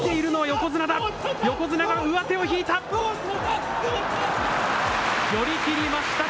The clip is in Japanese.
横綱が上手を引いた。